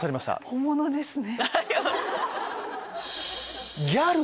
本物ですね！